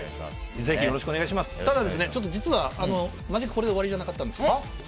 ただ、実はマジックこれで終わりじゃなかったんです。